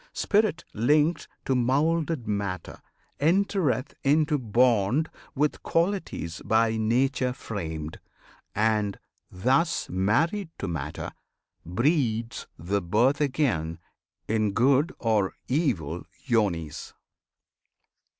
Spirit, linked To moulded matter, entereth into bond With qualities by Nature framed, and, thus Married to matter, breeds the birth again In good or evil yonis.